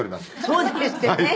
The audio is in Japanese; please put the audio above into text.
「そうですってね。